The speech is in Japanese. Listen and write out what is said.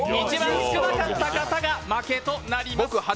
一番少なかった方が負けとなります。